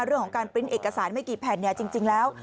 เรื่องของการปริ้นต์เอกสารไม่กี่แผ่นจริงแล้ว